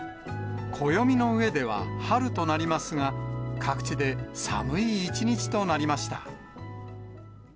暦の上では春となりますが、各地で寒い一日となりました。